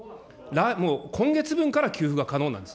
もう今月分から給付が可能なんです。